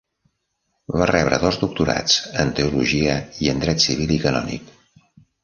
Va rebre dos doctorats, en Teologia i en Dret Civil i Canònic.